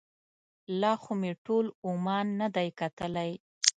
لا خو مې ټول عمان نه دی کتلی.